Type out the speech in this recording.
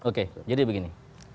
oke jadi begini